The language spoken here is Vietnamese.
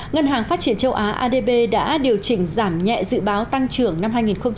ngân hàng phát triển châu á adb đã điều chỉnh giảm nhẹ dự báo tăng trưởng năm hai nghìn hai mươi